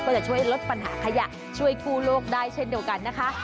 จะช่วยลดปัญหาขยะช่วยกู้โลกได้เช่นเดียวกันนะคะ